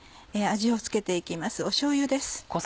味を付けて行きますしょうゆです。